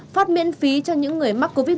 phát miễn phí cho những người mắc covid